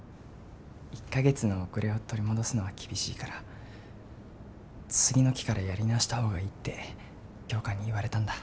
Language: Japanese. １か月の遅れを取り戻すのは厳しいから次の期からやり直した方がいいって教官に言われたんだ。